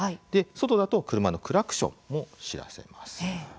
外だと車のクラクションも知らせます。